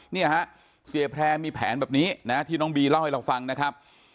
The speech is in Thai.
เนี่ยฮะเสียแพร่มีแผนแบบนี้นะที่น้องบีเล่าให้เราฟังนะครับ